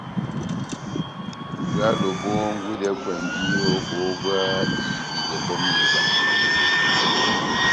Bwálo bόhongwidɛkwɛndi ó bohó bwá ihibidɛ bɔ́ ó mihiba